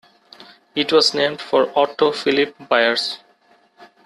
It was named for Otto Phillip Byers.